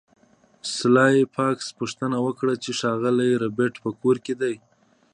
سلای فاکس پوښتنه وکړه چې ښاغلی ربیټ په کور کې دی